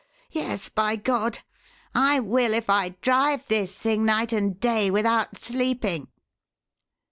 Yes, by God! I will if I drive this thing night and day without sleeping!"